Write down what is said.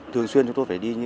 thường xuyên chúng tôi phải đi